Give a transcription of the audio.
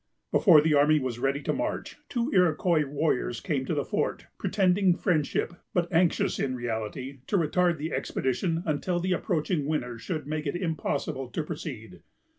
Before the army was ready to march, two Iroquois warriors came to the fort, pretending friendship, but anxious, in reality, to retard the expedition until the approaching winter should make it impossible to proceed.